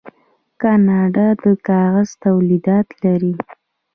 کاناډا د کاغذ تولیدات لري.